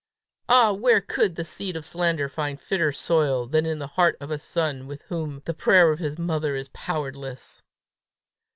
"Ah, where could the seed of slander find fitter soil than the heart of a son with whom the prayer of his mother is powerless!"